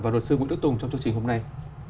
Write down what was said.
và luật sư nguyễn đức tùng trong chương trình hôm nay